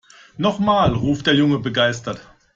Noch mal!, ruft der Junge begeistert.